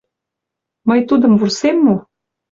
— Мый тудым вурсем мо?